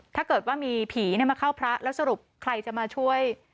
ถ้าเกิดว่ามีผีมาเข้าพระแล้วสรุปใครจะมาช่วย